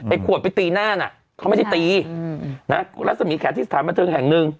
ขวดไปตีหน้าน่ะเขาไม่ได้ตีนะรัศมีแขนที่สถานบันเทิงแห่งหนึ่ง